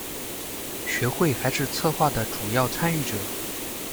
学会还是策划的主要参与者。